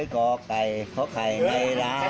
กไก่กไก่ไก่ใครเรา